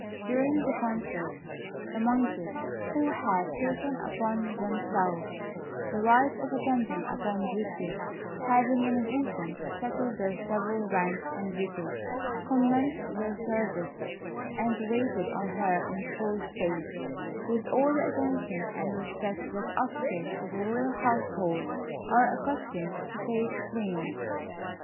During the concert, the monkeys, who had taken upon themselves the right of attending upon Beauty, having in an instant settled their several ranks and duties, commenced their service, and waited on her in full state, with all the attention and respect that officers of a royal household are accustomed to pay to queens.